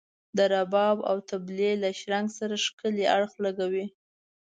د رباب او طبلي له شرنګ سره ښکلی اړخ لګولی.